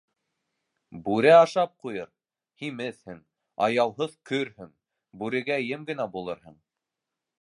Бүре ашап ҡуйыр... һимеҙһең, аяуһыҙ көрһөң, бүрегә ем генә булырһың...